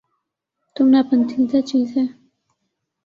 تم ناپندیدہ چیز ہے